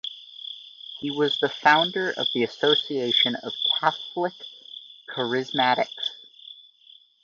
He was the founder of the Association of Catholics Charismatics.